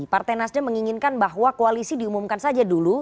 partai nasdem menginginkan bahwa koalisi diumumkan saja dulu